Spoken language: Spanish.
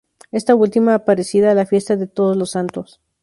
Esta última, parecida a la fiesta de Todos los Santos.